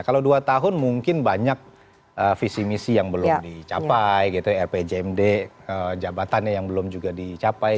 kalau dua tahun mungkin banyak visi misi yang belum dicapai gitu rpjmd jabatannya yang belum juga dicapai